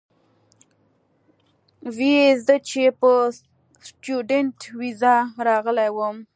وې ئې زۀ چې پۀ سټوډنټ ويزا راغلی ووم